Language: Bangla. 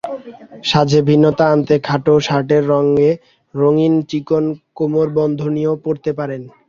সাজে ভিন্নতা আনতে খাটো শার্টের সঙ্গে রঙিন চিকন কোমরবন্ধনীও পরতে পারেন।